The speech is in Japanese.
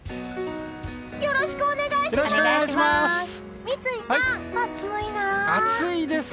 よろしくお願いします！